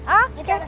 oh ya tante